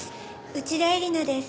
内田絵里奈です。